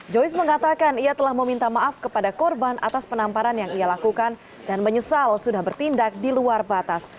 joyce mengatakan ia telah meminta maaf kepada korban atas penamparan yang ia lakukan dan menyesal sudah bertindak di luar batas